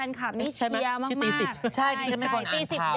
นี่ชื่อดีสิบ